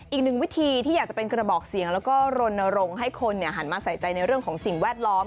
อีกหนึ่งวิธีที่อยากจะเป็นกระบอกเสียงแล้วก็รณรงค์ให้คนหันมาใส่ใจในเรื่องของสิ่งแวดล้อม